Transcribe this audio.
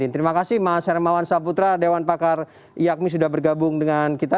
terima kasih mas hermawan saputra dewan pakar iakmi sudah bergabung dengan kita